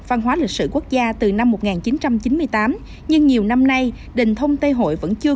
văn hóa lịch sử quốc gia từ năm một nghìn chín trăm chín mươi tám nhưng nhiều năm nay đình thông tây hội vẫn chưa